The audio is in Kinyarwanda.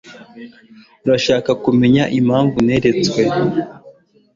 Urashaka kumenya impamvu naretse?